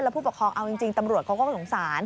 แล้วผู้ปกครองเอาจริงตำรวจก็สงสาร